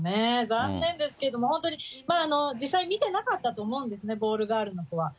残念ですけども、本当にまあ、実際見てなかったと思うんですね、ボールガールの人は。